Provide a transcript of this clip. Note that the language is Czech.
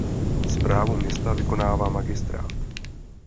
Správu města vykonává magistrát.